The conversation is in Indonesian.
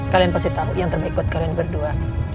kalian pasti tahu yang terbaik buat kalian berdua